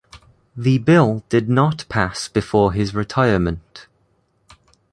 The bill did not pass before his retirement.